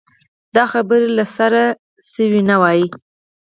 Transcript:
دا خبرې له سره شوې نه وای.